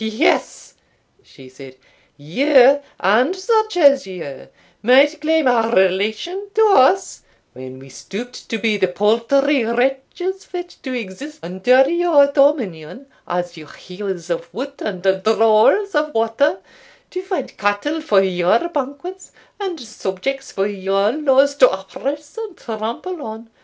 "Yes," she said, "you, and such as you, might claim a relation to us, when we stooped to be the paltry wretches fit to exist under your dominion, as your hewers of wood and drawers of water to find cattle for your banquets, and subjects for your laws to oppress and trample on.